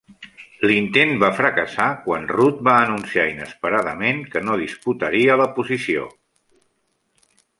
L'intent va fracassar quan Rudd va anunciar inesperadament que no disputaria la posició.